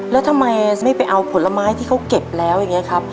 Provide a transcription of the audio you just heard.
แล้วทำไมไม่ไปเอาผลไม้ที่เขาเก็บแล้วอย่างนี้ครับ